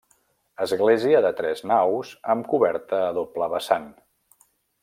Església de tres naus amb coberta a doble vessant.